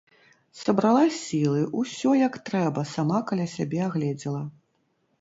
Сабрала сілы, усё, як трэба, сама каля сябе агледзела.